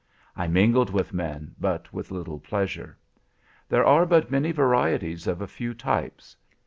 I mingled with men, but with little pleasure. There are but many varieties of a few types.